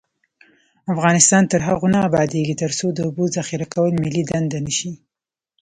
افغانستان تر هغو نه ابادیږي، ترڅو د اوبو ذخیره کول ملي دنده نشي.